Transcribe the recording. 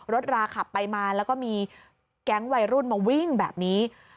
ราขับไปมาแล้วก็มีแก๊งวัยรุ่นมาวิ่งแบบนี้